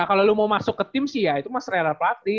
kalau lo mau masuk ke tim sih ya itu mas railer platy